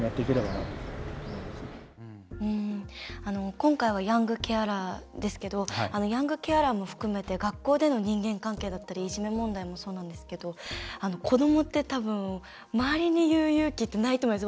今回はヤングケアラーですけどヤングケアラーも含めて学校での人間関係だったりいじめ問題もそうなんですけど子どもってたぶん周りに言う勇気ってないと思います。